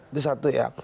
itu satu ya